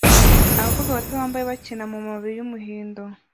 Abakobwa bato bambaye bakina mumababi yumuhindo